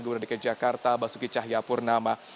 dukun rd k jakarta basuki cahyapurnama